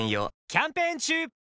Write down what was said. キャンペーン中！